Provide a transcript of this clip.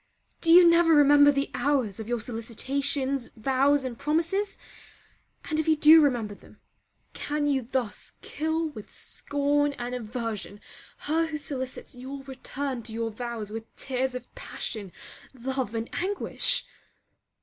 Do you never remember the hours of your solicitations, vows, and promises? and if you do remember them, can you thus kill with scorn and aversion her who solicits your return to your vows with tears of passion, love, and anguish?